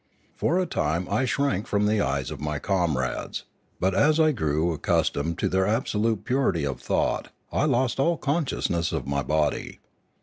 For a time I shrank from the eyes of my comrades, but as I grew accus tomed to their absolute purity of thought, I lost all consciousness of my body.